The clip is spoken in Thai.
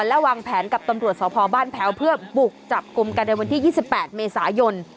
และวางแผนกับตำรวจสพบ้านแพ้วเพื่อบุกจับกลุ่มกันในวันที่๒๘เมษายน